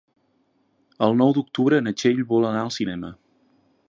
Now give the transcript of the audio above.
El nou d'octubre na Txell vol anar al cinema.